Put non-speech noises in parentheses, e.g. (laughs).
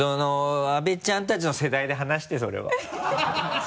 阿部ちゃんたちの世代で話してそれは。ハハハ (laughs)